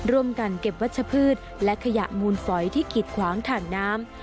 ร่วมกันเก็บวัชพืชและขยะมูลฝอยที่กิดขวางถ่านน้ำ